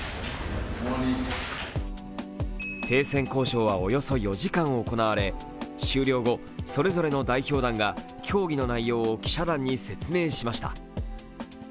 停戦交渉はおよそ４時間行われ終了後、それぞれの代表団が協議の内容を記者団に説明しました。